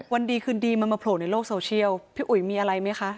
วันดีคืนดีมาโผล่ในโลกโสเชียล